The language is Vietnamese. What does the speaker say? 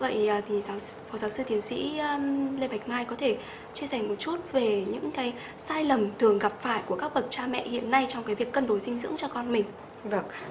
vậy thì giáo phó giáo sư tiến sĩ lê bạch mai có thể chia sẻ một chút về những cái sai lầm thường gặp phải của các bậc cha mẹ hiện nay trong cái việc cân đối dinh dưỡng cho con mình